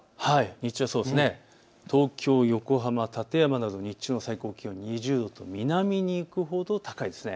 東京、横浜、館山など日中の最高気温２０度と南に行くほど高いです。